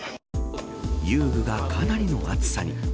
遊具がかなりの熱さに。